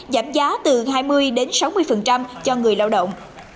giảm giá từ hai mươi đến sáu mươi cho người lao động